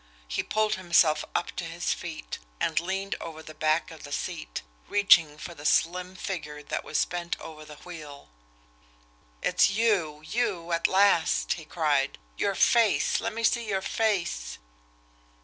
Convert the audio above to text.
He pulled himself up to his feet, and leaned over the back of the seat, reaching for the slim figure that was bent over the wheel. "It's you you at last!" he cried. "Your face let me lee your face!"